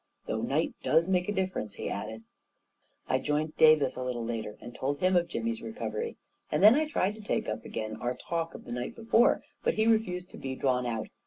"Though night does make a difference 1 "he added. I joined Davis a little later, and told him of Jimmy's recovery; and then I tried to take up again our talk of the night before; but he refused to be drawn out.